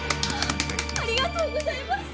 ありがとうございます！